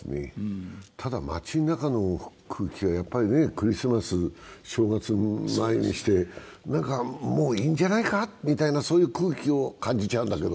ただ、街の中の空気はクリスマス、正月を前にして何かもういいんじゃないかみたいな空気を感じちゃうんだけど。